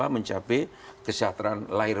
mencapai kesejahteraan lahir